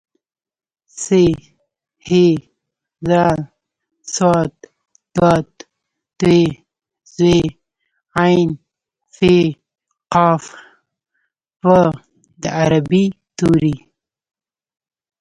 ث ح ذ ص ض ط ظ ع ف ق په د عربۍ توري